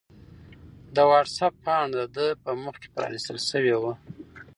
د وټس-اپ پاڼه د ده په مخ کې پرانستل شوې وه.